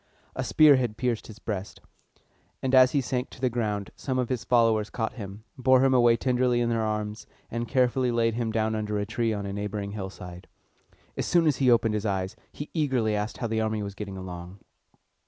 A spear had pierced his breast; and as he sank to the ground, some of his followers caught him, bore him away tenderly in their arms, and carefully laid him down under a tree on a neighboring hillside. As soon as he opened his eyes, he eagerly asked how the army was getting along.